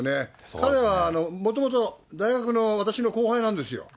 彼はもともと、大学の私の後輩なんですよ。